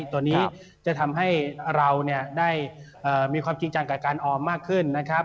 ตัวนี้จะทำให้เราได้มีความจริงจังกับการออมมากขึ้นนะครับ